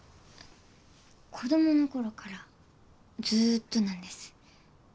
子どもの頃からずっとなんです。